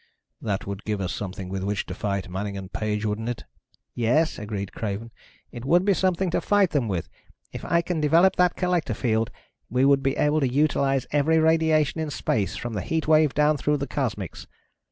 "That would give us something with which to fight Manning and Page, wouldn't it?" "Yes," agreed Craven. "It would be something to fight them with. If I can develop that collector field, we would be able to utilize every radiation in space, from the heat wave down through the cosmics.